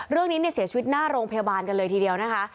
เรื่องนี้เสียชีวิตหน้าโรงพยาบาลกันเลยทีเดียวนะคะ